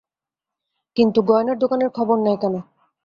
কিন্তু গয়নার দোকানের খবর নেয় কেন?